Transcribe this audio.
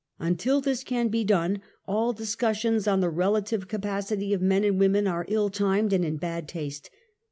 Until this can be done all discussions on the relative capacity of men and women are ill timed and in bad taste.